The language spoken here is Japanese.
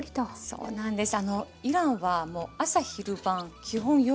そうなんですよ。